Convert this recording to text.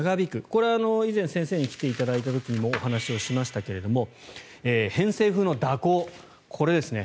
これは以前先生に来ていただいた時にもお話をしましたが、偏西風の蛇行これですね。